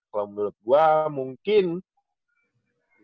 kalo menurut gue mungkin